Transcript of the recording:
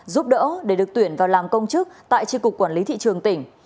giúp đỡ để được tuyển vào làm công chức tại tri cục quản lý thị trường tỉnh